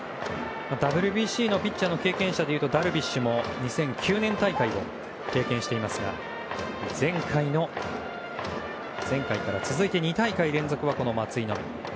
ＷＢＣのピッチャーの経験者でいうとダルビッシュも２００９年大会を経験していますが前回から続いて２大会連続はこの松井のみ。